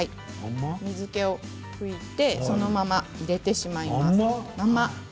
水けを取ってそのまま入れてしまいます。